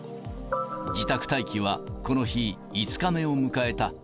自宅待機はこの日、５日目を迎えた。